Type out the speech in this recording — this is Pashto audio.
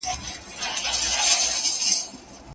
په احاديثو کي راغلي دي.